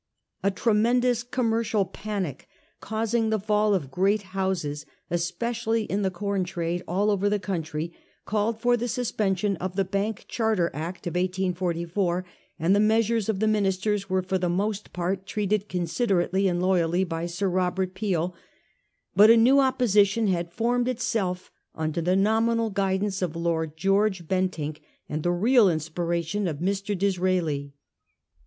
A tremendous commercial panic, causing the fall of great houses, especially in the com trade, all over the country, called for the suspension of the Bank Charter Act of 1844, and the measures of the ministers were for the most part treated considerately and loyally by Sir Robert Peel ; but anew opposition had formed itself under the nominal guidance of Lord George Bentinck, and the real inspiration of Mr. Dis raeli.